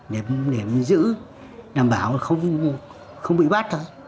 để giữ đảm bảo không bị bắt thôi